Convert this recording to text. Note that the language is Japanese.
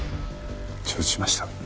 承知しました。